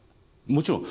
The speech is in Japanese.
もちろん。